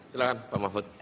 silakan pak mahfud